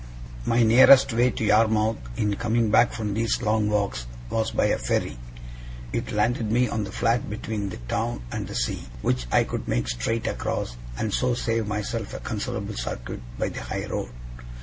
MY nearest way to Yarmouth, in coming back from these long walks, was by a ferry. It landed me on the flat between the town and the sea, which I could make straight across, and so save myself a considerable circuit by the high road.